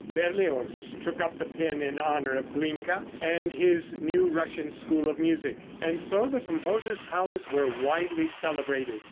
Berlioz took up the pen in honor of Glinka and of his new Russian school of music, and so the composer's powers were widely celebrated.